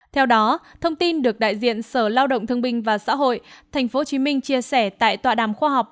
theo đó thông tin được đại diện sở lao động thương binh và xã hội tp hcm chia sẻ tại tọa đàm khoa học